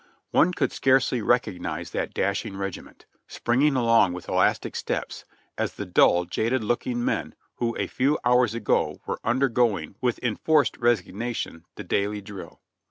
One could scarcely recognize that dashing regiment, springing along with elastic steps, as the dull, jaded looking men who a few hours ago were undergoing, with enforced resignation, the daily drill.